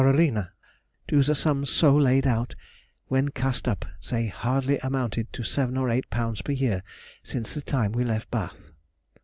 _ to the sums so laid out—when cast up, they hardly amounted to seven or eight pounds per year since the time we had left Bath.